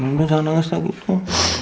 mungkin jangan nangis lagi tuh